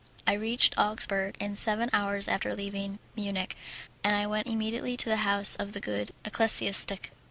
I reached Augsburg in seven hours after leaving Munich, and I went immediately to the house of the good ecclesiastic.